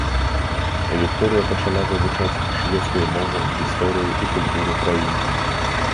Вікторыя пачала вывучаць шведскую мову, гісторыю і культуру краіны.